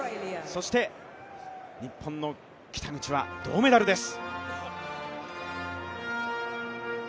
そして日本の北口は銅メダルです。